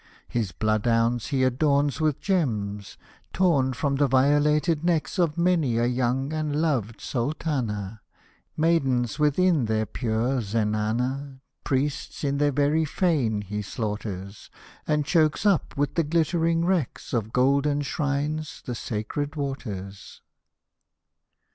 — His bloodhounds he adorns with gems, Torn from the violated necks Of many a young and loved Sultana ; Maidens, within their pure Zenana, Priests in the very fane he slaughters. And chokes up with the glittering wrecks Of golden shrines the sacred waters